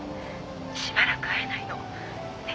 しばらく会えないの。ね？